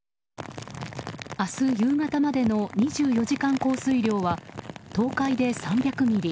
明日夕方までの２４時間降水量は東海で２００ミリ